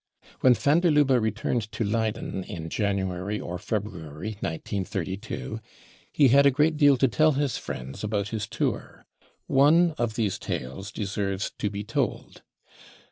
When van der Lubbe returned to Leyden in January or February 1932, he had a great deal to tell his friends about his tour. One of these tales deserves to be told.